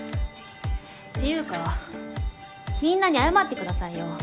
っていうかみんなに謝ってくださいよ。